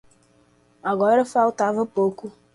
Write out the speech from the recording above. Agora, faltava pouco.